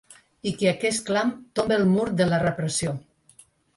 I que aquest clam tombe el mur de la repressió.